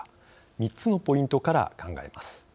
３つのポイントから考えます。